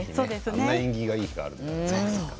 あんな縁起のいい日があるんですね。